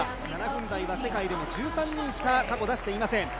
７分台は世界でも過去１３人しか出していません。